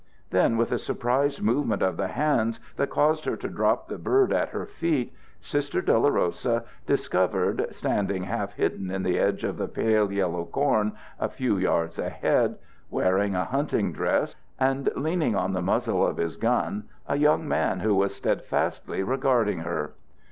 Then, with a surprised movement of the hands that caused her to drop the bird at her feet, Sister Dolorosa discovered, standing half hidden in the edge of the pale yellow corn a few yards ahead, wearing a hunting dress, and leaning on the muzzle of his gun, a young man who was steadfastly regarding her.